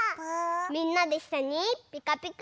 みんなでいっしょにピカピカ。